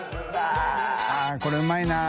あっこれうまいな。